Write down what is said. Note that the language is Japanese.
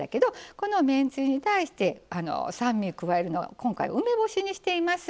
このめんつゆに対して酸味を加えるのは今回梅干しにしています。